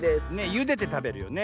ゆでてたべるよね。